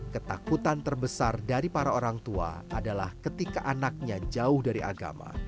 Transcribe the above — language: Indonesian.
ketakutan terbesar dari para orang tua adalah ketika anaknya jauh dari agama